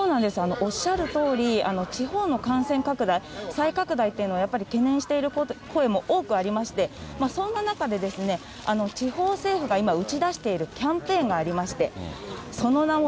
おっしゃるとおり、地方の感染拡大、再拡大というのは、やっぱり懸念している声も多くありまして、そんな中で地方政府が今、打ち出しているキャンペーンがありまして、その名も、